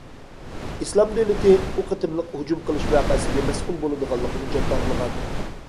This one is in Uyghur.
« ئىسلام دۆلىتى» ئۇ قېتىملىق ھۇجۇم قىلىش ۋەقەسىگە مەسئۇل بولىدىغانلىقىنى جاكارلىغان.